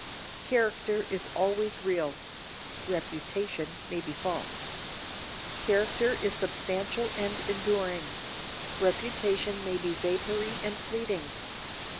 Character is always real; reputation may be false. Character is substantial and enduring; reputation may be vapory and fleeting.